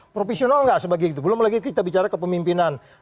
profesional nggak sebagainya belum lagi kita bicara kepemimpinan